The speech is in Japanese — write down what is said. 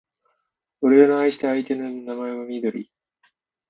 俺の愛した相手の名前はみどり